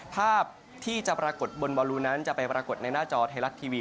ภาพที่จะปรากฏบนบอลลูนั้นจะไปปรากฏในหน้าจอไทยรัฐทีวี